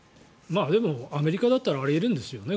でも、アメリカだったらあり得るんですよね。